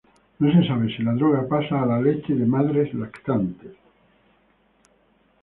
No se sabe si la droga pasa a la leche de madres lactantes.